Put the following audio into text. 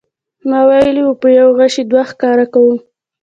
ما ویلي و په یوه غیشي دوه ښکاره کوو.